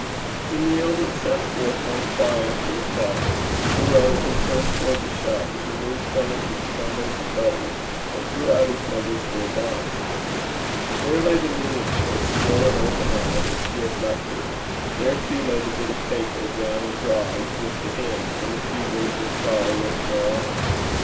He kneeled and sent forth one cry after the Father, arose, and turned towards the shelves, removed some of the bundles of letters, and drew out his mother's little box. There lay the miniature, still and open eyed as he had left it. There too lay the bit of paper, brown and dry, with the hymn and the few words of sorrow written thereon.